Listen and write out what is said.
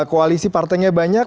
koalisi partainya banyak